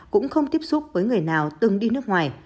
cũng không tiếp xúc với người nào từng đi nước ngoài